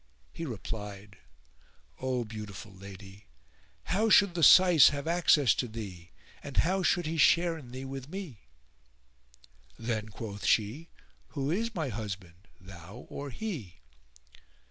He replied, "O beautiful lady, how should the Syce have access to thee, and how should he share in thee with me?" "Then," quoth she, "who is my husband, thou or he?"